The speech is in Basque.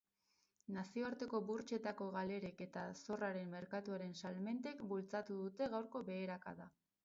Nazioarteko burtsetako galerek eta zorraren merkatuaren salmentek bultzatu dute gaurko beherakada.